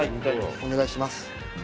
お願いします。